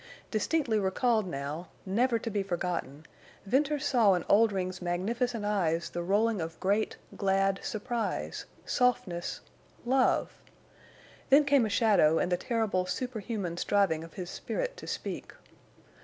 Distinctly recalled now, never to be forgotten, Venters saw in Oldring's magnificent eyes the rolling of great, glad surprise—softness—love! Then came a shadow and the terrible superhuman striving of his spirit to speak.